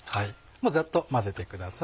ざっと混ぜてください。